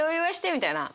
みたいな。